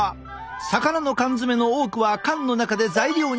魚の缶詰の多くは缶の中で材料に火を通す。